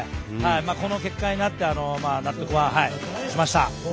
この結果になって納得はしました。